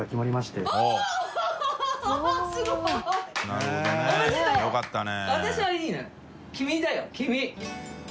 なるほどねよかったね。